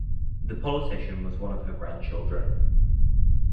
The politician was one of her grandchildren.